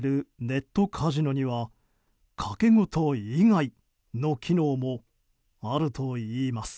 ネットカジノには賭け事以外の機能もあるといいます。